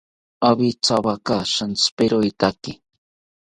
Awithawaka shintziperotaki